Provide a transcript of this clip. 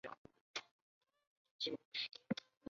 粗球果葶苈为十字花科葶苈属球果葶苈的变种。